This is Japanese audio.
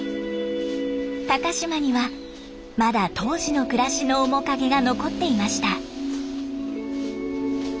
高島にはまだ当時の暮らしの面影が残っていました。